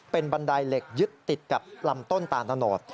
เป็นบันไดเหล็กยึดติดกับลำต้นตาลตะโนธ